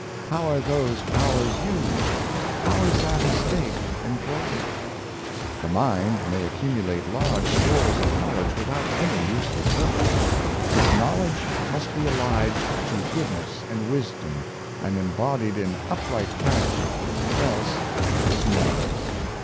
How are those pow ers used — how is that estate employed? The mind may accumulate large stores of knowledge without any useful purpose; but the knowledge must be allied to goodness and wisdom, and embodied in upright charac ter, else it is naught.